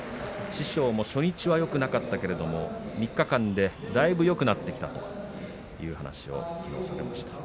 師匠も初日はよくなかったけども３日間でだいぶよくなってきたそういう話をしていました。